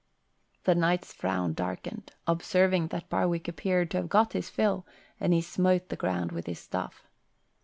The knight's frown darkened, observing that Barwick appeared to have got his fill, and he smote the ground with his staff.